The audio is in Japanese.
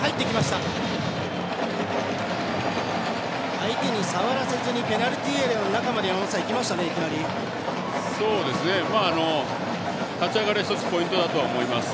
相手に触らせずにペナルティーエリアの中までいきなりいきましたね。